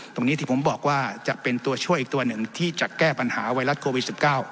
ตรงนี้ที่ผมบอกว่าจะเป็นตัวช่วยอีกตัวหนึ่งที่จะแก้ปัญหาไวรัสโควิด๑๙